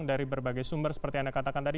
dari berbagai sumber seperti anda katakan tadi